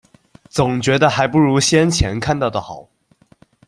总觉得还不如先前看到的好